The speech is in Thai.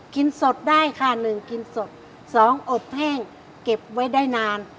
กินสดได้ค่ะหนึ่งกินสดสองอบแห้งเก็บไว้ได้นาน